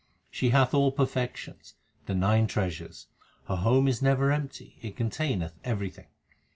1 She hath all perfections, the nine treasures ; her home is never empty, it containeth everything.